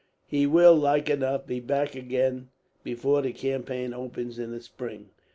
He will, like enough, be back again before the campaign opens in the spring."